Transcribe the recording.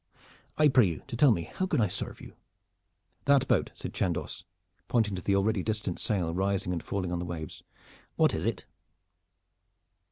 I pray you to tell me how I can serve you." "That boat!" said Chandos, pointing to the already distant sail rising and falling on the waves. "What is it?"